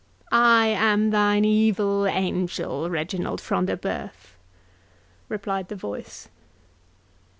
"I am thine evil angel, Reginald Front de Bœuf," replied the voice.